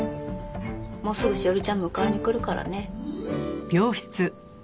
もうすぐ志生里ちゃん迎えに来るからね。